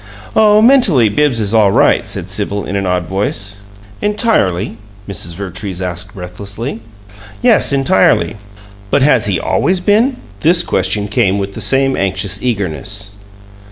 "Oh, mentally Bibbs is all right," said Sibyl, in an odd voice. "Entirely?" Mrs. Vertrees asked, breathlessly. "Yes, entirely." "But has he ALWAYS been?" This question came with the same anxious eagerness.